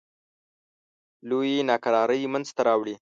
لویې ناکرارۍ منځته راوړې.